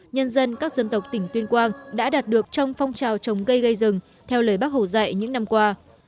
nhân dân các dân tộc tỉnh tuyên quang đã đạt được trong phong trào trồng cây gây rừng theo lời bác hồ dạy những năm qua